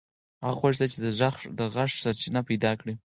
هغه غوښتل چې د غږ سرچینه پیدا کړي.